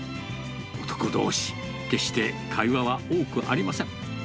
男どうし、決して会話は多くありません。